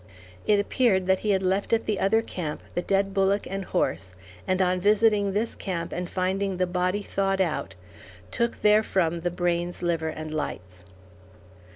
It appeared that he had left at the other camp the dead bullock and horse, and on visiting this camp and finding the body thawed out, took therefrom the brains, liver, and lights.